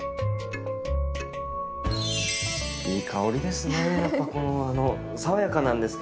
いい香りですね。